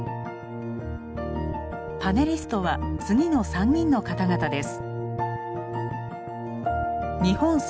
パネリストは次の３人の方々です。